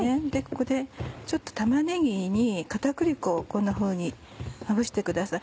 ここでちょっと玉ねぎに片栗粉をこんなふうにまぶしてください。